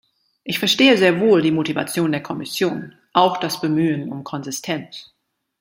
Ich verstehe sehr wohl die Motivation der Kommission, auch das Bemühen um Konsistenz.